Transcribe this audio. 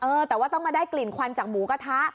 แต่ว่าต้องมาได้กลิ่นควันจากหมูกระทะ